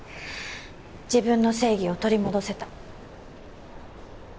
自分の正義を取り戻せた。